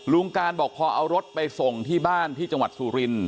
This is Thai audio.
ลุงการบอกพอเอารถไปส่งที่บ้านที่จังหวัดสุริน